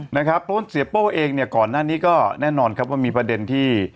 เพราะว่าเสียโป้เองเนี่ยก่อนหน้านี้ก็แน่นอนครับว่ามีประเด็นที่